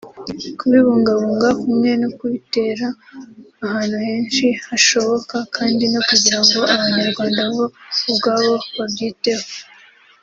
Kubibungabunga kumwe ni ukubitera ahantu henshi hashoboka kandi no kugira ngo abanyarwanda bo ubwabo babyiteho